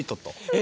え！